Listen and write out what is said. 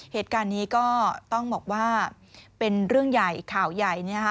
เหตุการณ์นี้ก็ต้องบอกว่าเป็นเรื่องใหญ่ข่าวใหญ่